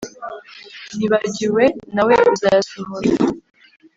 Ntibagiwe nawe uzayasohora